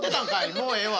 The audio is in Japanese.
もうええわ。